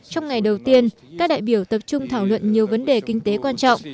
trong ngày đầu tiên các đại biểu tập trung thảo luận nhiều vấn đề kinh tế quan trọng